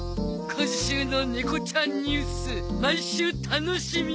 今週の猫ちゃんニュース毎週楽しみ。